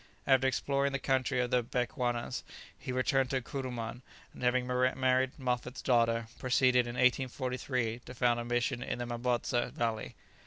After exploring the country of the Bechuanas, he returned to Kuruman, and, having married Moffat's daughter, proceeded in 1843 to found a mission in the Mabotsa valley.